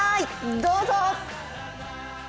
どうぞ！